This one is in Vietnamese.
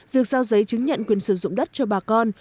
việc giao giấy chứng nhận quyền sử dụng đất cho bà con